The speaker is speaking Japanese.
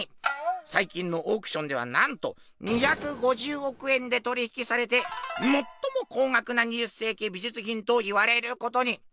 さいきんのオークションではなんと２５０億円で取り引きされて「最も高額な２０世紀美術品」と言われることに。